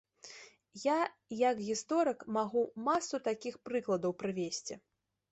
Я як гісторык магу масу такіх прыкладаў прывесці.